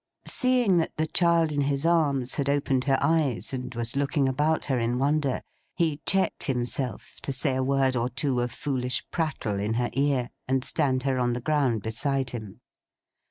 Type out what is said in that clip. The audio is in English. Seeing that the child in his arms had opened her eyes, and was looking about her in wonder, he checked himself to say a word or two of foolish prattle in her ear, and stand her on the ground beside him.